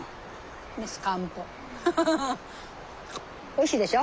おいしいでしょ？